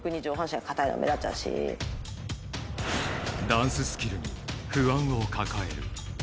ダンススキルも不安を抱える。